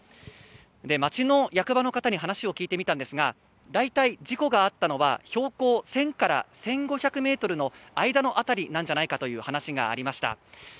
町の役場の方に話を聞いてみたんですが大体事故があったのは標高１０００から１５００ｍの間の辺りなんじゃないかという話でした。